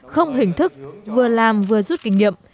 không hình thức vừa làm vừa rút kinh nghiệm